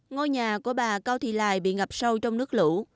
ngôi nhà của bà cao thị lai bị ngập sâu trong nước lũ